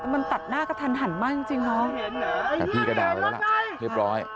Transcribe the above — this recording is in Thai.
มันตัดหน้ากระทันหันมากจริงฮะแต่พี่ก็ด่าไปแล้วล่ะเรียบร้อย